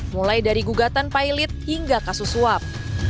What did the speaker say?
mulai dari gugatan pilot hingga kasus suap